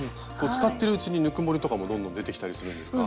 使ってるうちにぬくもりとかもどんどん出てきたりするんですか？